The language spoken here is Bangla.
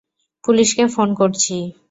পুলিশকে ফোন করছি।